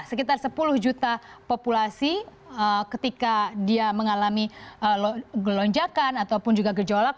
sekitar sepuluh juta populasi ketika dia mengalami gelonjakan ataupun juga gejolak